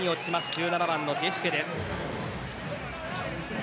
１７番のジェシュケです。